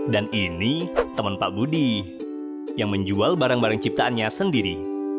dan ini teman pak budi yang menjual barang barang ciptaannya sendiri